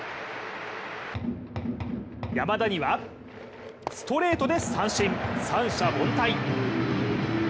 山田にはストレートで三振、三者凡退。